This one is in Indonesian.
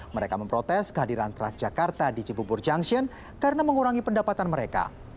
mereka memprotes kehadiran transjakarta di cibubur junction karena mengurangi pendapatan mereka